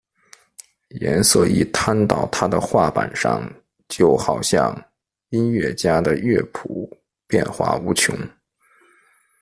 颜色一摊到他的画板上就好像音乐家的乐谱变化无穷！